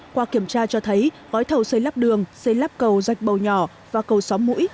qua kiểm tra cho thấy gói thầu xây lắp đường xây lắp cầu dạch bầu nhỏ và cầu xóm mũi